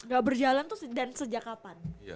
gak berjalan tuh dan sejak kapan